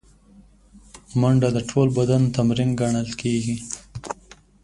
منډه د ټول بدن تمرین ګڼل کېږي